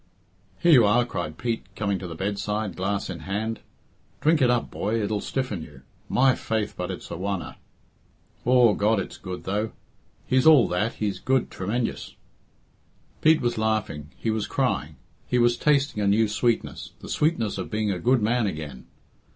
"Here you are," cried Pete, coming to the bedside, glass in hand. "Drink it up, boy. It'll stiffen you. My faith, but it's a oner. Aw, God is good, though. He's all that. He's good tremenjous." Pete was laughing; he was crying; he was tasting a new sweetness the sweetness of being a good man again.